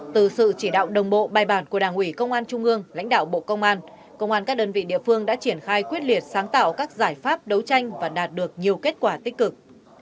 từ sự chỉ đạo đồng bộ bài bản của đảng ủy công an trung ương lãnh đạo bộ công an công an các đơn vị địa phương đã triển khai quyết liệt sáng tạo các giải pháp đấu tranh và đạt được nhiều kết quả tích cực